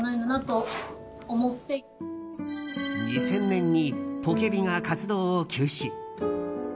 ２０００年にポケビが活動を休止。